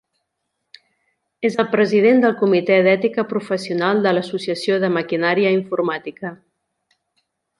És el president del Comitè d'Ètica Professional de l'Associació de Maquinària Informàtica.